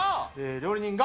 料理人が。